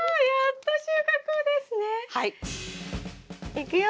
いくよ！